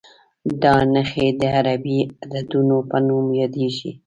دا نښې د عربي عددونو په نوم یادېږي.